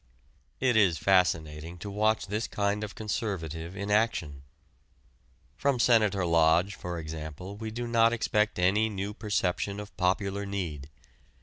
It is fascinating to watch this kind of conservative in action. From Senator Lodge, for example, we do not expect any new perception of popular need.